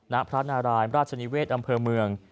ณพระนารายราชนิเวศอำเภอเมือง